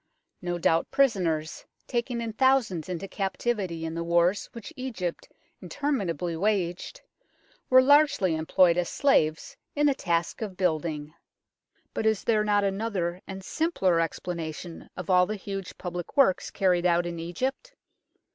No doubt prisoners, taken in thousands into captivity in the wars which Egypt interminably waged, were largely employed as slaves in the task of building ; but is there not another and simpler explanation of all the huge public works carried out in Egypt